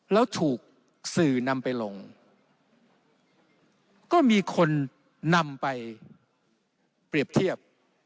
แล้วถูกสื่อนำไปลงก็มีคนนำไปเปรียบเทียบ